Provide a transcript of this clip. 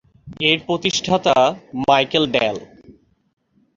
এর প্রতিষ্ঠাতা Michael del.